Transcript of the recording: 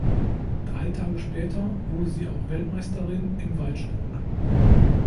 Drei Tage später wurde sie auch Weltmeisterin im Weitsprung.